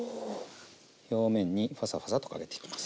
表面にパサパサとかけていきます。